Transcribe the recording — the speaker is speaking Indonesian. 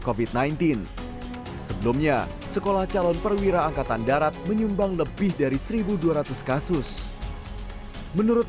covid sembilan belas sebelumnya sekolah calon perwira angkatan darat menyumbang lebih dari seribu dua ratus kasus menurut